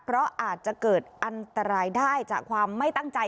เพราะอาจจะเกิดอันตรายได้จากความไม่ตั้งใจ